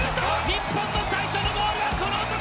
日本の最初のゴールはこの男！